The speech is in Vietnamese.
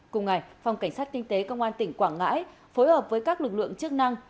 cùng ngày phòng cảnh sát kinh tế công an tỉnh quảng ngãi phối hợp với các lực lượng chức năng